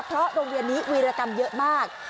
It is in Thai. เพราะโรงเรียนนี้วีรกรรมเยอะมาก